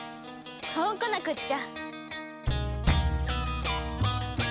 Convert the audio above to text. そうこなくっちゃ！